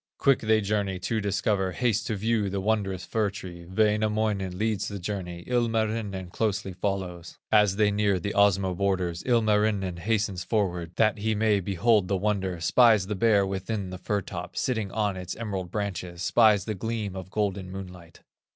Quick they journey to discover, Haste to view the wondrous fir tree; Wainamoinen leads the journey, Ilmarinen closely follows. As they near the Osmo borders, Ilmarinen hastens forward That he may behold the wonder, Spies the Bear within the fir top, Sitting on its emerald branches, Spies the gleam of golden moonlight.